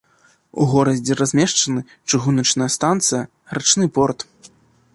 У горадзе размешчаны чыгуначная станцыя, рачны порт.